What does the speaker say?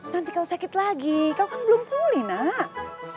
nanti kau sakit lagi kau kan belum pulih nak